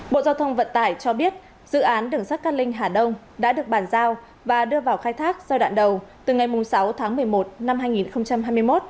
bộ giao thông vận tải cho biết dự án đường sắt cát linh hà đông đã được bàn giao và đưa vào khai thác giai đoạn đầu từ ngày sáu tháng một mươi một năm hai nghìn hai mươi một